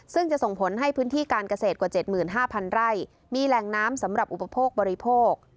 ซึ่งจะส่งผลให้พื้นที่การเกษตรกว่า๗๕๐๐ไร่มีแหล่งน้ำสำหรับอุปโภคบริโภค